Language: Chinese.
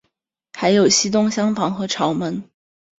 还有东西厢房和朝门。